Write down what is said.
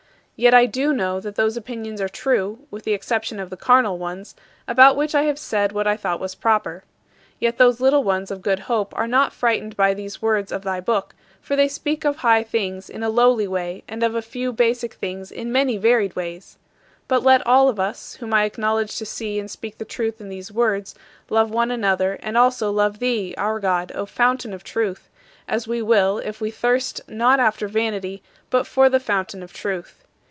Yet I do know that those opinions are true with the exception of the carnal ones about which I have said what I thought was proper. Yet those little ones of good hope are not frightened by these words of thy Book, for they speak of high things in a lowly way and of a few basic things in many varied ways. But let all of us, whom I acknowledge to see and speak the truth in these words, love one another and also love thee, our God, O Fountain of Truth as we will if we thirst not after vanity but for the Fountain of Truth.